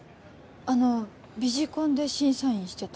あのビジコンで審査員してた？